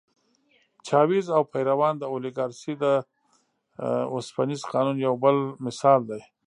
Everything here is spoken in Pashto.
چاوېز او پېرون د اولیګارشۍ د اوسپنيز قانون یو بل مثال دی.